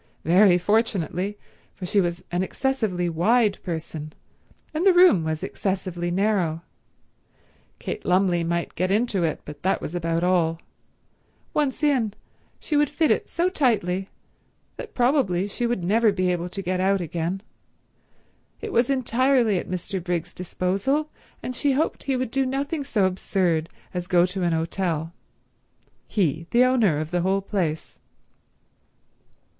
Very fortunately, for she was an excessively wide person and the room was excessively narrow. Kate Lumley might get into it, but that was about all. Once in, she would fit it so tightly that probably she would never be able to get out again. It was entirely at Mr. Briggs's disposal, and she hoped he would do nothing so absurd as go to an hotel—he, the owner of the whole place.